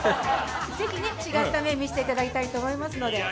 ぜひ、違った面を見せていただきたいと思いますので。